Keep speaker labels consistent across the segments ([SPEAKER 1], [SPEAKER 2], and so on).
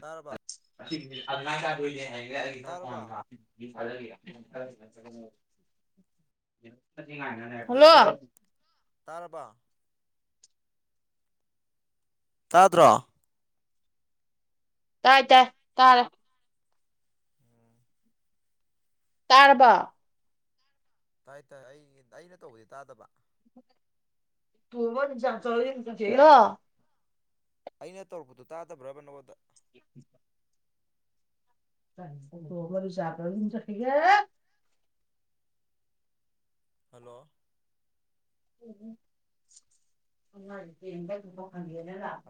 [SPEAKER 1] ꯇꯥꯔꯕ
[SPEAKER 2] ꯑꯗ ꯍꯥꯏ ꯀꯣꯟ
[SPEAKER 1] ꯇꯥꯔꯕ
[SPEAKER 2] [unintelligible] [unintelligible] ꯍꯥꯜꯂꯣ
[SPEAKER 1] ꯇꯥꯔꯕꯣ ꯇꯥꯗ꯭ꯔꯣ
[SPEAKER 2] ꯇꯥꯏ ꯇꯥꯏ ꯇꯥꯔꯦ ꯇꯥꯔꯕꯣ
[SPEAKER 1] ꯇꯥꯏ ꯇꯥꯏ ꯑꯩ ꯑꯩꯅ ꯇꯧꯕꯗꯤ ꯇꯥꯗꯕ
[SPEAKER 2] ꯇꯨꯡꯕ ꯆ ꯆꯧꯦ [unintelligible]
[SPEAKER 1] ꯑꯩꯅ ꯇꯧꯔꯛꯄꯗꯨ ꯇꯥꯗꯕ꯭ꯔꯕ ꯅꯥꯉꯣꯟꯗ
[SPEAKER 2] [unintelligible] [unintelligible]
[SPEAKER 1] ꯍꯜꯂꯣ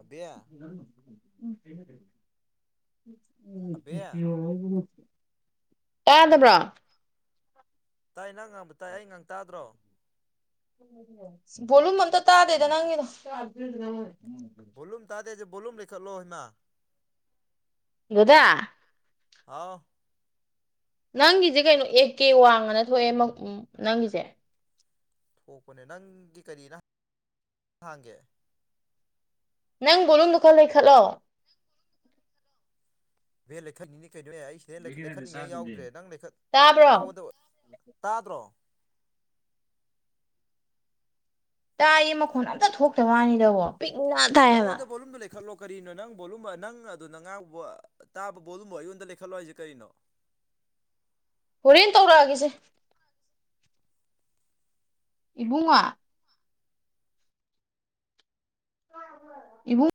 [SPEAKER 1] ꯑꯕꯦ ꯑꯕꯦ
[SPEAKER 2] [unintelligible] ꯇꯥꯗꯕ꯭ꯔꯣ
[SPEAKER 1] ꯇꯥꯏ ꯅꯪ ꯉꯥꯡꯕ ꯇꯥꯏ ꯑꯩ ꯉꯥꯡꯕ ꯇꯥꯗ꯭ꯔꯣ
[SPEAKER 2] ꯚꯣꯂꯨꯝ ꯑꯝꯇ ꯇꯥꯗꯦꯗ ꯅꯪꯒꯤꯗꯣ
[SPEAKER 1] ꯕꯣꯂꯨꯝ ꯇꯥꯗꯦꯁꯦ ꯕꯣꯂꯨꯝ ꯂꯩꯈꯠꯂꯣ ꯍꯩꯃꯥ
[SPEAKER 2] ꯗꯥꯗꯥ
[SPEAKER 1] ꯍꯥꯎ
[SPEAKER 2] ꯅꯪꯒꯤꯁꯦ ꯀꯩꯅꯣ ꯑꯦ ꯀꯦ ꯋꯥꯡ ꯍꯥꯅꯥ ꯊꯣꯛꯑꯦ ꯃꯪ ꯅꯪꯒꯤꯁꯦ
[SPEAKER 1] ꯄꯣꯛꯄꯅꯦ ꯅꯪꯒꯤ ꯀꯔꯤꯅ ꯍꯥꯡꯒꯦ
[SPEAKER 2] ꯅꯪ ꯕꯣꯂꯨꯝꯗꯣ ꯈꯔꯥ ꯂꯩꯈꯠꯂꯣ
[SPEAKER 1] ꯚꯦ ꯂꯩꯈꯠꯂꯤꯅꯤ ꯀꯩꯅꯣ ꯑꯦ ꯑꯩ ꯁꯤꯗꯩ ꯂꯩꯈꯠꯅꯤꯡꯉꯥꯏ ꯌꯥꯎꯗ꯭ꯔꯦ ꯅꯪ ꯂꯩꯈꯠ
[SPEAKER 2] ꯇꯥꯕ꯭ꯔꯣ
[SPEAKER 1] ꯅꯪꯉꯣꯟꯗ ꯇꯥꯗꯔꯣ
[SPEAKER 2] ꯇꯥꯏꯌꯦ ꯃꯈꯣꯟ ꯑꯝꯇ ꯊꯣꯛꯇ ꯋꯥꯅꯤꯗꯕꯣ ꯄꯤꯛꯅ ꯇꯥꯏ ꯍꯥꯏꯕ
[SPEAKER 1] ꯅꯉꯣꯟꯗ ꯕꯣꯂꯝꯗꯣ ꯂꯩꯈꯠꯂꯣ ꯀꯔꯤꯅꯣ ꯅꯪ ꯕꯣꯠꯂꯨꯝꯕ ꯅꯪ ꯑꯗꯨꯗ ꯉꯥꯡꯕ ꯇꯥꯕ ꯕꯣꯂꯨꯝꯕꯨ ꯑꯩꯉꯣꯟꯗ ꯂꯩꯈꯠꯂꯣ ꯍꯥꯏꯁꯦ ꯀꯩꯅꯣ
[SPEAKER 2] ꯍꯣꯔꯦꯟ ꯇꯧꯔꯛꯑꯒꯦꯁꯦ ꯏꯕꯨꯡꯉꯣ ꯏꯕꯨꯡ